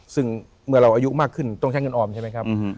ซึ่งเมื่อเราอายุมากขึ้นต้องใช้เงินออมใช่ไหมครับ